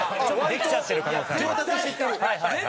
できちゃってる可能性あります。